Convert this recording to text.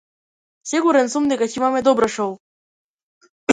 Сигурен сум дека ќе има добро шоу.